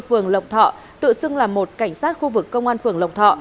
phường lộc thọ tự xưng là một cảnh sát khu vực công an phường lộc thọ